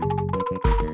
itu tuh khusus